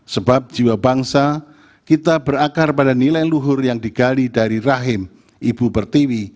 sebab jiwa bangsa kita berakar pada nilai luhur yang digali dari rahim ibu pertiwi